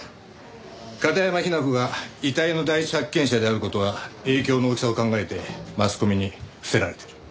片山雛子が遺体の第一発見者である事は影響の大きさを考えてマスコミに伏せられてる。